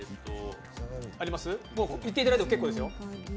言っていただいても結構ですよ。